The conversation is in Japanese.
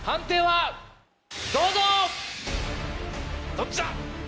どっちだ？